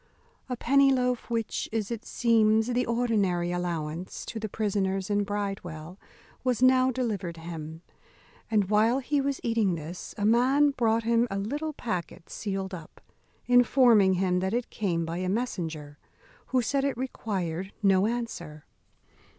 A penny loaf, which is, it seems, the ordinary allowance to the prisoners in Bridewell, was now delivered him; and while he was eating this a man brought him a little packet sealed up, informing him that it came by a messenger, who said it required no answer.